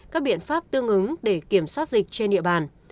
các biện pháp tương ứng để kiểm soát dịch trên địa bàn